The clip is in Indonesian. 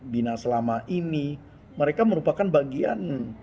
bina selama ini mereka merupakan bagian